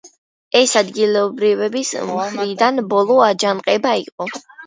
ეს ადგილობრივების მხრიდან ბოლო აჯანყება იყო.